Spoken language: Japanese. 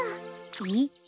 えっ？